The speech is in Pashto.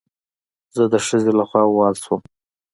زه د ښځې له خوا ووهل شوم